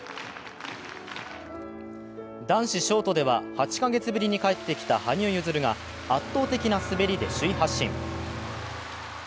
男子ショートでは８カ月ぶりに帰ってきた羽生結弦が圧倒的な滑りで首位発進。